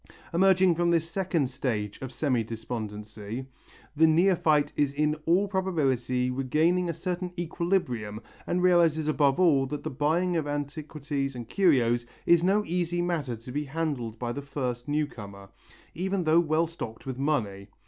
Emerging from this second stage of semi despondency, the neophyte is in all probability regaining a certain equilibrium and realizes above all that the buying of antiquities and curios is no easy matter to be handled by the first new comer, even though well stocked with money.